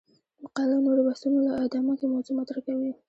مقاله نورو بحثونو ادامه کې موضوع مطرح کوي.